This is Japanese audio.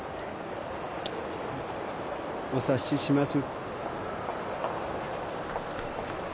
お察しします。